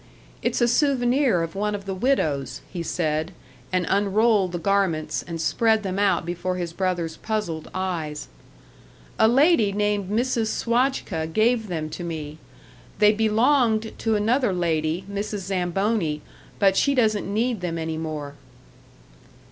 "It's a souvenir of one of the widows," he said, and unrolled the garments and spread them out before his brother's puzzled eyes. "A lady named Mrs. Swajka gave them to me. They belonged to another lady, Mrs. Zamboni, but she doesn't need them any more."